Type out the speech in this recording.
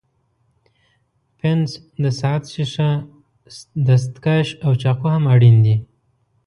پنس، د ساعت ښيښه، ستکش او چاقو هم اړین دي.